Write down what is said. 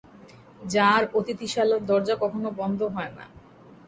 যাঁর অতিথিশালার দরজা কখনো বন্ধ হয় না।